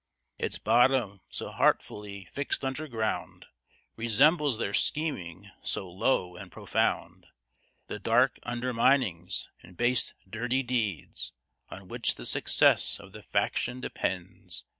Its bottom, so artfully fix'd under ground, Resembles their scheming, so low and profound; The dark underminings, and base dirty ends, On which the success of the faction depends.